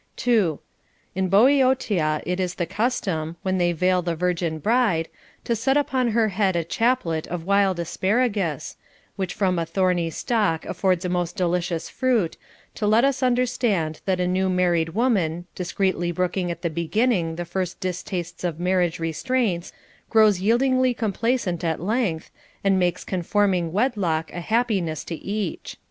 2. In Boeotia it is the custom, when they veil the virgin bride, to set upon her head a chaplet of wild asparagus, which from a thorny stalk affords a most delicious fruit, to let us understand that a new married woman, discreetly brooking at the beginning the first distastes of marriage restraints, grows yieldingly complaisant at length, and makes conforming wedlock a happiness to each.